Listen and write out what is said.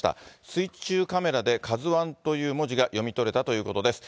水中カメラでカズワンという文字が読み取れたということです。